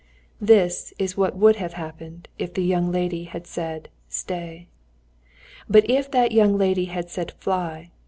This is what would have happened if the young lady had said "Stay!" But if that young lady had said "Fly!"